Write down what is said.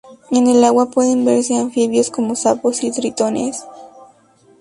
En el agua pueden verse anfibios, como sapos y tritones.